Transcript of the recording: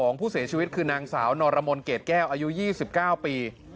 นางสาวนอนรมนเกรดแก้วอายุ๒๙ปี